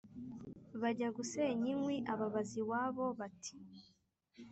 bajya gusenya inkwi, ababaza iwabo. bati